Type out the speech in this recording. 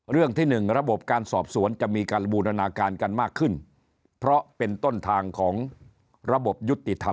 เรื่องที่หนึ่งระบบการสอบสวนจะมีการบูรณาการกันมากขึ้นเพราะเป็นต้นทางของระบบยุติธรรม